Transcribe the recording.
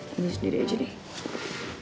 ini sendiri aja deh